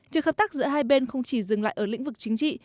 việc hợp tác giữa hai bên không chỉ dừng lại ở lĩnh vực chính trị